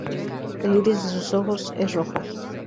El iris de su ojos es rojo.